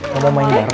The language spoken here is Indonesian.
kau mau main darah